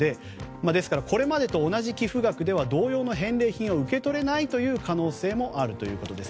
これまでと同じ寄付額では同様の返礼品が受け取れない可能性もあるということです。